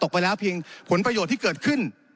ไปแล้วเพียงผลประโยชน์ที่เกิดขึ้น